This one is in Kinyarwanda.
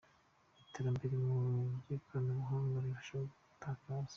Iterambere mu by’ikoranabuhanga rirarushaho gukataza.